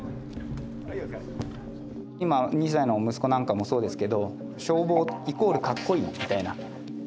今２歳の息子なんかもそうですけど消防イコールかっこいいみたいな。